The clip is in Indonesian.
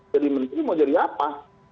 jadi menteri mau jadi apa